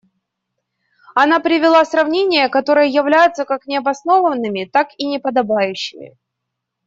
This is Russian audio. Она привела сравнения, которые являются как необоснованными, так и неподобающими.